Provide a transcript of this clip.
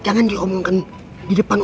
saya sudah tidur selama waktu tujuani ini